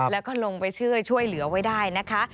แล้วก็ลงไปช่วยเหลือไว้ได้นะคะ